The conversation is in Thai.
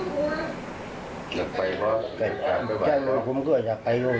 คุณหมายความว่าห้าลูกศึกว่าห้องเก็บกินก็อย่ากินก่อน